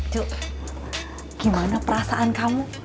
cuk gimana perasaan kamu